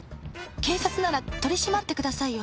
警察なら取り締まってくださいよ。